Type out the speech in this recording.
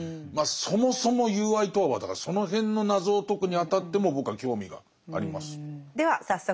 そもそも友愛とはだからその辺の謎を解くにあたっても僕は興味があります。